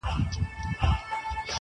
اوس دادی_